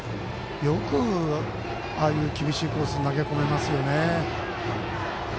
よくああいう厳しいコースに投げ込めますよね。